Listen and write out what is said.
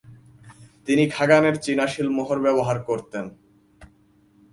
তিনি খাগানের চীনা সীলমোহর ব্যবহার করতেন।